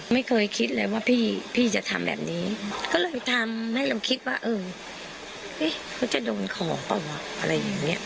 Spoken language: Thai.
ไม่เคยคิดเลยว่าพี่จะทำแบบนี้ก็เลยทำให้เราคิดว่าเออเขาจะโดนของเปล่าวะอะไรอย่างนี้